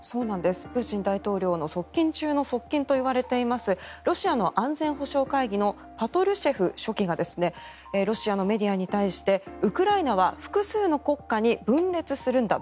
プーチン大統領の側近中の側近といわれていますロシアの安全保障会議のパトルシェフ書記がロシアのメディアに対してウクライナは複数の国家に分裂するんだ